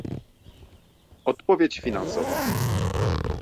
odpowiedź finansowa